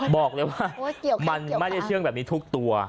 บอกเลยว่ามันไม่ได้เชื่องแบบนี้ทุกตัว